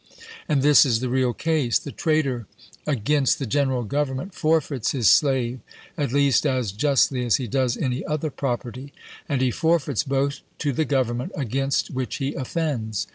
And this is the real case. The traitor against the General Government forfeits his slave at least as justly as he. does any other property; and he forfeits both to the Government against which he offends.